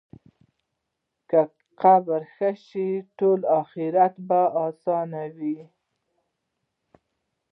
که قبر ښه شي، ټول آخرت به اسان شي.